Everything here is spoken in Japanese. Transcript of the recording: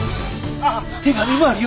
ああっ手紙もあるよ。